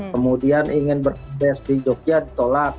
kemudian ingin berhome base di jogja ditolak